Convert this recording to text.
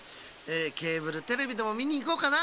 ケーブルテレビでもみにいこうかな。